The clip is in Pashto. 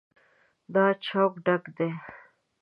دا چوک ډک دی.